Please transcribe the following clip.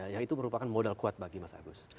yang itu merupakan modal kuat bagi mas agus